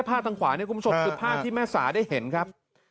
ทางขวาเนี่ยคุณผู้ชมคือภาพที่แม่สาได้เห็นครับ